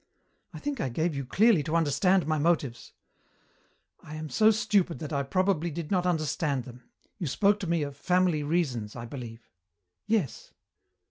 I think I gave you clearly to understand my motives " "I am so stupid that I probably did not understand them. You spoke to me of 'family reasons,' I believe." "Yes."